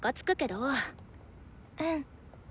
うん。